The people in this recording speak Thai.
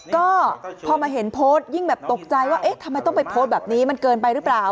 ก็พอมาเห็นโพสต์ยิ่งแบบตกใจว่าเอ๊ะทำไมต้องไปโพสต์แบบนี้มันเกินไปหรือเปล่า